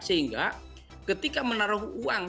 sehingga ketika menaruh uang